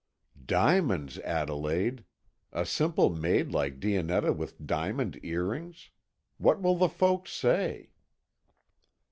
"Diamonds, Adelaide! A simple maid like Dionetta with diamond earrings! What will the folks say?"